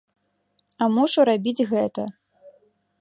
А мушу рабіць гэта.